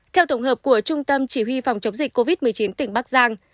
theo tổng hợp của trung tâm chỉ huy phòng chống dịch covid một mươi chín tỉnh bắc giang